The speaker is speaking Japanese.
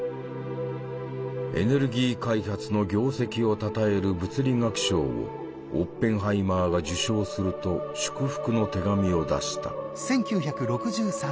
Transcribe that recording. エネルギー開発の業績をたたえる物理学賞をオッペンハイマーが受賞すると祝福の手紙を出した。